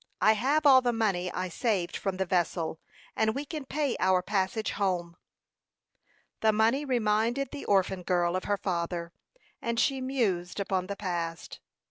I have all the money I saved from the vessel, and we can pay our passage home." The money reminded the orphan girl of her father, and she mused upon the past.